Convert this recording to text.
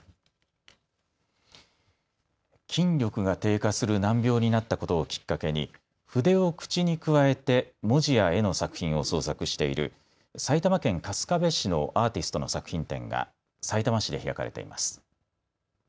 筋力が低下する難病になったことをきっかけに筆を口にくわえて文字や絵の作品を創作している埼玉県春日部市のアーティストの作品展がさいたま市で開かれています。